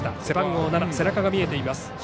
背番号７、背中が見えています。